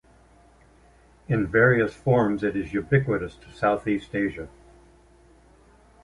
In various forms, it is ubiquitous to Southeast Asia.